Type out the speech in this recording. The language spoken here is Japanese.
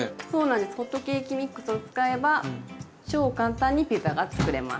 ホットケーキミックスを使えば超簡単にピザが作れます。